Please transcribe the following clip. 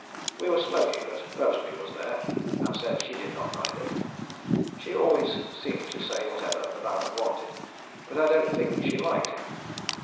We were smoking, but Rosalie was there, and said she did not mind it. She always seemed to say whatever the Baron wanted, but I don't think she liked him.